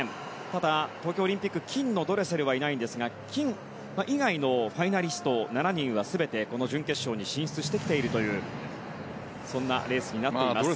ただ、東京オリンピック金のドレセルはいないんですが金以外のファイナリスト７人は全て準決勝に進出してきているというレースになっています。